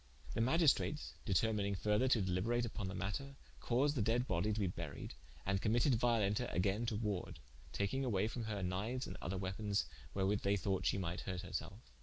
The Magistrates determining further to deliberate vpon the matter, caused the dead bodie to be buried, and committed Violenta againe to warde, taking away from her kniues and other weapons, wherewith they thought shee might hurt her selfe.